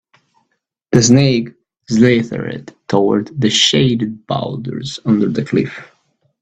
The snake slithered toward the shaded boulders under the cliff.